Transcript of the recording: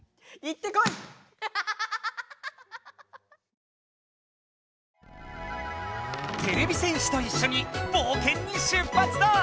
てれび戦士といっしょにぼうけんに出発だ！